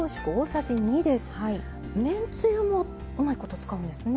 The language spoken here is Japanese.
めんつゆもうまいこと使うんですね。